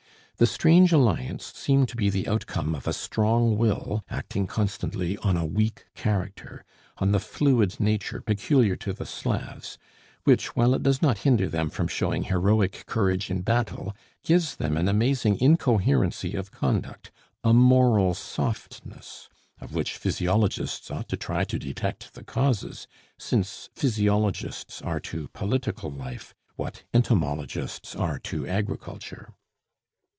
The strange alliance seemed to be the outcome of a strong will acting constantly on a weak character, on the fluid nature peculiar to the Slavs, which, while it does not hinder them from showing heroic courage in battle, gives them an amazing incoherency of conduct, a moral softness of which physiologists ought to try to detect the causes, since physiologists are to political life what entomologists are to agriculture.